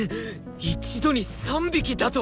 一度に３匹だと！？